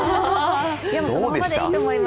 そのままでいいと思います。